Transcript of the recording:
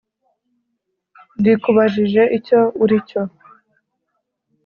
rikubajije icyo uri cyo